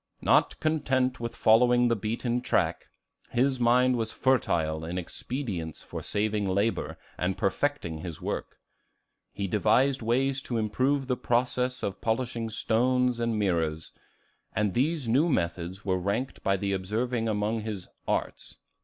Not content with following the beaten track, his mind was fertile in expedients for saving labor and perfecting his work. He devised ways to improve the process of polishing stones and mirrors; and these new methods were ranked by the observing among his "arts."